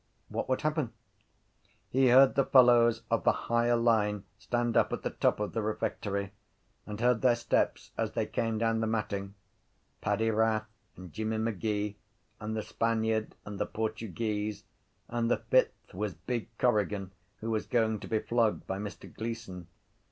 What would happen? He heard the fellows of the higher line stand up at the top of the refectory and heard their steps as they came down the matting: Paddy Rath and Jimmy Magee and the Spaniard and the Portuguese and the fifth was big Corrigan who was going to be flogged by Mr Gleeson.